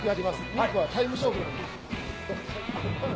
ミルクはタイム勝負なんで。